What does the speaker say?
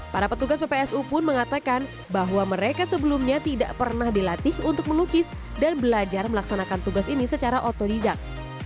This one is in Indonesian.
para petugas ppsu pun mengatakan bahwa mereka sebelumnya tidak pernah dilatih untuk melukis dan belajar melaksanakan tugas ini secara otodidak